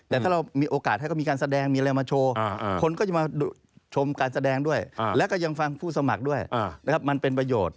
แต่ถ้าเรามีโอกาสให้ก็มีการแสดงมีอะไรมาโชว์คนก็จะมาชมการแสดงด้วยแล้วก็ยังฟังผู้สมัครด้วยนะครับมันเป็นประโยชน์